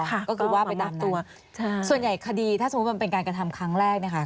ก็คือว่าไปตามตัวใช่ส่วนใหญ่คดีถ้าสมมุติมันเป็นการกระทำครั้งแรกเนี่ยค่ะ